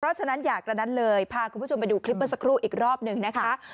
เพราะฉะนั้นอย่ากระนั้นเลยพาคุณผู้ชมไปดูคลิปเมื่อสักครู่อีกรอบหนึ่งนะคะ